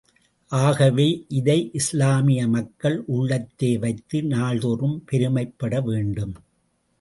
ஆகவே, இதை இஸ்லாமிய மக்கள் உள்ளத்தே வைத்து நாள் தோறும் பெருமைப்பட வேண்டும்.